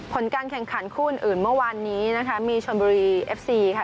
ผลการแข่งขันคู่อื่นเมื่อวานนี้นะคะมีชนบุรีเอฟซีค่ะ